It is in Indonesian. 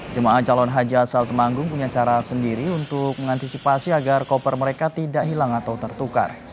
jemaah calon haji asal temanggung punya cara sendiri untuk mengantisipasi agar koper mereka tidak hilang atau tertukar